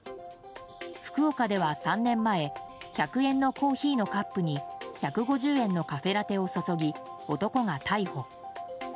福岡では３年前１００円のコーヒーのカップに１５０円のカフェラテを注ぎ男が逮捕。